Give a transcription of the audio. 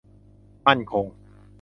มั่นคง